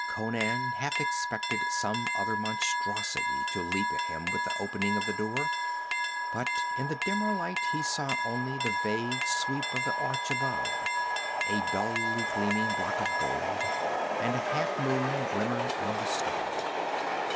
Conan half expected some other monstrosity to leap at him with the opening of the door, but in the dimmer light he saw only the vague sweep of the arch above, a dully gleaming block of gold, and a half moon glimmer on the stone.